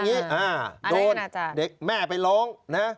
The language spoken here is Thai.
อะไรอาณาจารย์โดนเด็กแม่ไปร้องนะ